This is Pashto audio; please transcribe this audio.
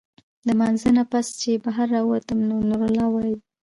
د مانځۀ نه پس چې بهر راووتم نو نورالله وايي